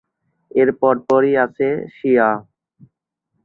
এরপরেই আছে শিয়া।